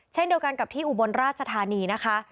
เช่นเดียวกันกับที่อุบลราชธานีนะคะ